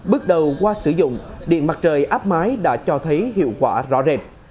bước đầu qua sử dụng điện mặt trời áp mái đã cho thấy hiệu quả rõ rệt